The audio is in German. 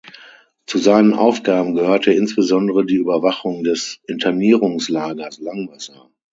Zu seinen Aufgaben gehörte insbesondere die Überwachung des Internierungslagers Langwasser.